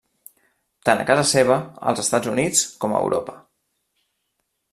Tant a casa seva, els Estats Units, com a Europa.